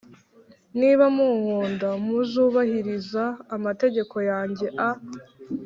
Niba munkunda muzubahiriza amategeko yanjye a